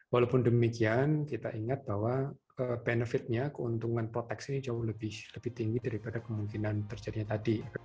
walaupun demikian kita ingat bahwa benefitnya keuntungan proteksi ini jauh lebih tinggi daripada kemungkinan terjadinya tadi